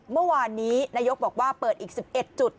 เมื่อวานนี้นายกบอกว่าเปิดอีก๑๑จุด